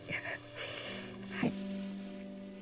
はい。